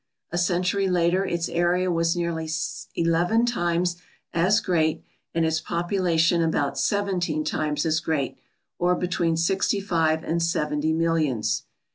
A century later its area w^as nearly eleven times as great and its population about seventeen times as great, or between 65 and 70 millions.